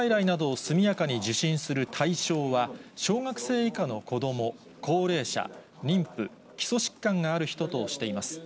対策案ではまず、発熱外来などを速やかに受診する対象は、小学生以下の子ども、高齢者、妊婦、基礎疾患がある人としています。